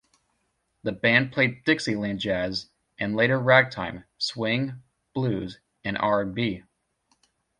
The band played Dixieland jazz, and later ragtime, swing, blues and R and B.